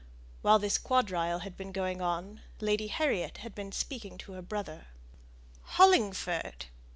While this quadrille had been going on, Lady Harriet had been speaking to her brother. "Hollingford!"